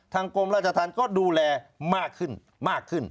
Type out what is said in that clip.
กรมราชธรรมก็ดูแลมากขึ้นมากขึ้น